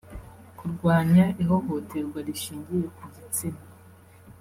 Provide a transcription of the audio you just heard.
kurwanya ihohoterwa rishingiye ku gitsina